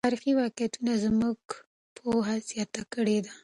تاریخي واقعیتونه زموږ پوهه زیاته کړې ده.